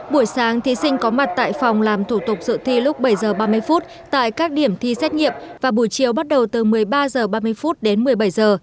buổi sáng thí sinh có mặt tại phòng làm thủ tục dự thi lúc bảy h ba mươi phút tại các điểm thi xét nghiệm và buổi chiều bắt đầu từ một mươi ba h ba mươi đến một mươi bảy h